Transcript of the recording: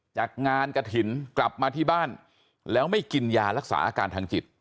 จากงานกระถิ่นกลับมาที่บ้านแล้วไม่กินยารักษาอาการทางจิต